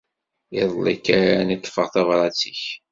Iḍelli kan i ṭṭfeɣ tabrat-ik.